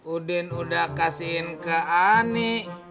udin udah kasihin ke ani